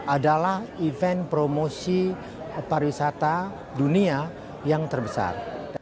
adalah event promosi pariwisata dunia yang terbesar